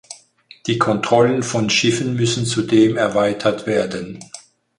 Die Kontrollen von Schiffen müssen zudem erweitert werden.